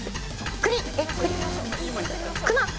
クマ！